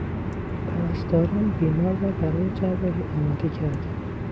پرستاران بیمار را برای جراحی آماده کردند.